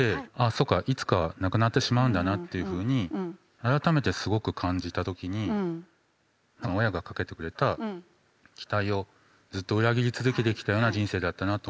そうかいつかは亡くなってしまうんだなというふうに改めてすごく感じた時に親がかけてくれた期待をずっと裏切り続けてきたような人生だったなと思って。